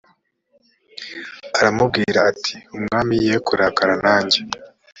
aramubwira ati umwami ye kurakara nanjye